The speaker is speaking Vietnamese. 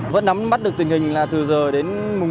vẫn nắm mắt được tình hình là từ giờ đến mùng một mươi